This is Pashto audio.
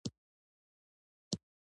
ډرامه باید له حقیقت الهام اخیستې وي